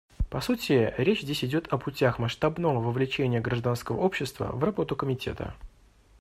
По сути, речь здесь идет о путях масштабного вовлечения гражданского общества в работу Комитета.